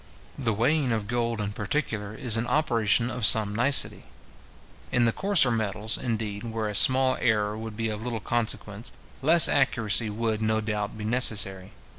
The weighing of gold, in particular, is an operation of some nicety in the coarser metals, indeed, where a small error would be of little consequence, less accuracy would, no doubt, be necessary.